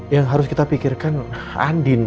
yang harus kita pikirkan andin